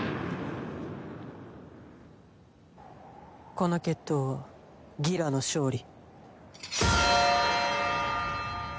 この決闘はギラの勝利。